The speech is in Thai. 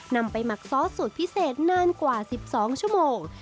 นำไปหมักซอสสูตรพิเศษนานกว่า๑๒ชั่วโมง